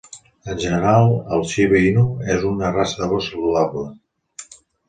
En general, el Shiba Inu és una raça de gos saludable.